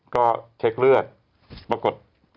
ก็เช็คเลือดปรากฏ